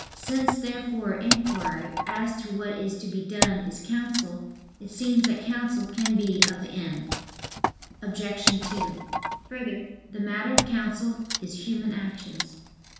Since therefore inquiry as to what is to be done is counsel, it seems that counsel can be of the end. Obj. 2: Further, the matter of counsel is human actions.